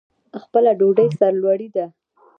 خپله ډوډۍ سرلوړي ده.